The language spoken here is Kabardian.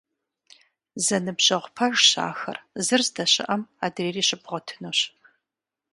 Зэныбжьэгъу пэжщ ахэр, зыр здэщыӀэм адрейри щыбгъуэтынущ.